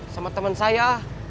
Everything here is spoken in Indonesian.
sama temen saya